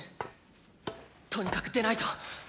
とにかく出ないと！